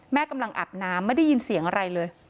กำลังอาบน้ำไม่ได้ยินเสียงอะไรเลย